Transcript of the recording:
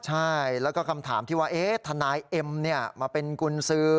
ใช่แล้วก็คำถามที่ว่าทนายเอ็มมาเป็นกุญสือ